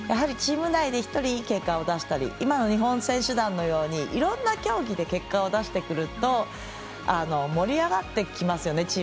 チーム内で１人いい結果を出したり今の日本選手団のようにいろいろな競技で結果を出してくると盛り上がってきますよね